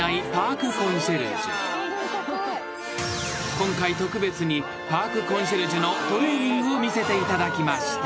［今回特別にパーク・コンシェルジュのトレーニングを見せていただきました］